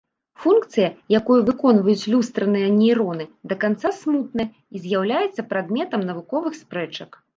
Функцыя, якую выконваюць люстраныя нейроны да канца смутная і з'яўляецца прадметам навуковых спрэчак.